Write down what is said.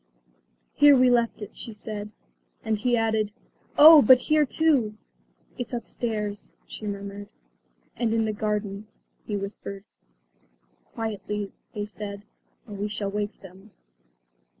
"Here we left it," she said. And he added, "Oh, but here too!" "It's upstairs," she murmured. "And in the garden," he whispered. "Quietly," they said, "or we shall wake them."